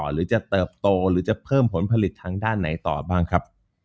หรือจะเติบโตหรือจะเพิ่มผลผลิตทางด้านไหนต่อบ้างครับ